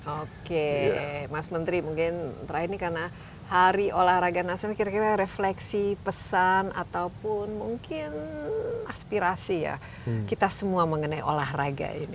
oke mas menteri mungkin terakhir ini karena hari olahraga nasional kira kira refleksi pesan ataupun mungkin aspirasi ya kita semua mengenai olahraga ini